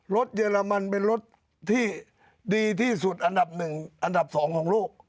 เยอรมันเป็นรถที่ดีที่สุดอันดับหนึ่งอันดับ๒ของโลก